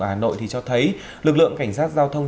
ở hà nội thì cho thấy lực lượng cảnh sát giao thông